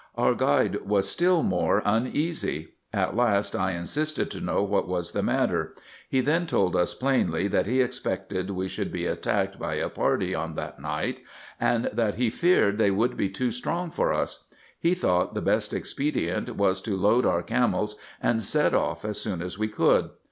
Our guide was still more uneasy : at last I insisted to know what was the matter ; he then told us plainly that he expected we should be at tacked by a party on that night, and that lie feared they would l>e too strong for us ; he thought the best expedient was to load our camels, and set off as soon as we could.